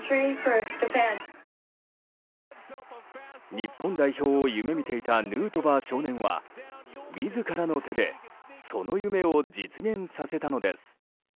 日本代表を夢見ていたヌートバー少年は自らの手でその夢を実現させたのです。